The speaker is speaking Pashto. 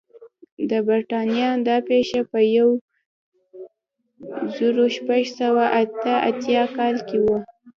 د برېټانیا دا پېښه په یو زرو شپږ سوه اته اتیا کال کې وه.